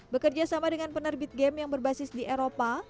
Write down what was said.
bekerja sama dengan penerbit game yang berbasis di eropa